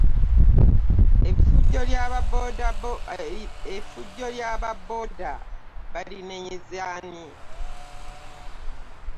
Effujjo Iyaba boda balinenyeze ani?